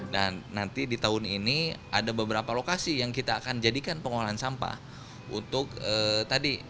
dan nanti di tahun ini ada beberapa lokasi yang kita akan jadikan pengolahan sampah untuk tadi